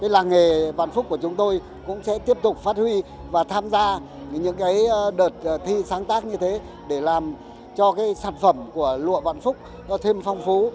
làng nghề vạn phúc của chúng tôi cũng sẽ tiếp tục phát huy và tham gia những đợt thi sáng tác như thế để làm cho sản phẩm của lụa vạn phúc thêm phong phú